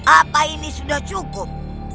apa ini sudah cukup